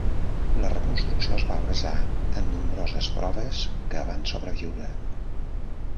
La reconstrucció es va basar en nombroses proves que van sobreviure.